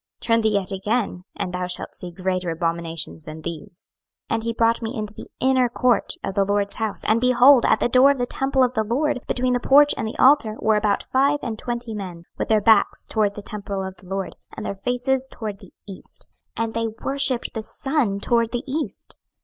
turn thee yet again, and thou shalt see greater abominations than these. 26:008:016 And he brought me into the inner court of the LORD's house, and, behold, at the door of the temple of the LORD, between the porch and the altar, were about five and twenty men, with their backs toward the temple of the LORD, and their faces toward the east; and they worshipped the sun toward the east.